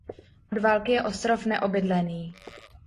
Od války je ostrov neobydlený.